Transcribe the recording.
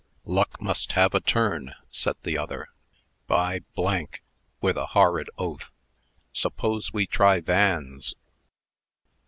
"Luck must have a turn," said the other. "By " (with a horrid oath), "suppose we try Van's?"